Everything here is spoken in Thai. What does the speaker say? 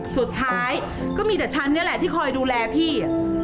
สุดท้ายก็มีแต่ฉันนี่แหละที่คอยดูแลพี่